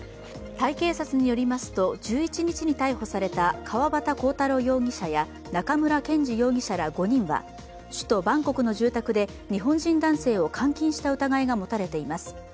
タイ警察によりますと、１１日に逮捕された川端浩太郎容疑者や中村健二容疑者ら５人は、首都バンコクの住宅で日本人男性を監禁した疑いが持たれています。